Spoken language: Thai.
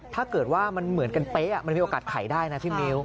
ถ้าเกิดว่ามันเหมือนกันเป๊ะมันมีโอกาสขายได้นะพี่มิ้ว